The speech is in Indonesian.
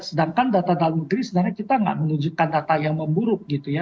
sedangkan data dalam negeri sebenarnya kita nggak menunjukkan data yang memburuk gitu ya